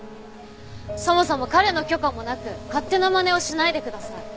そもそも彼の許可もなく勝手なまねをしないでください。